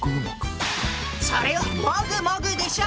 それはもぐもぐでしょ！